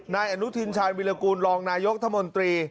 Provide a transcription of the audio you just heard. นายอนุทินชาญวิรากูลรองนายกรัฐมนตรี